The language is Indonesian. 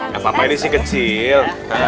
gapapa ini sih kecil